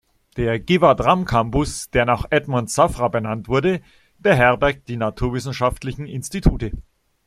Der Givat-Ram-Campus, der nach Edmond Safra benannt wurde, beherbergt die naturwissenschaftlichen Institute.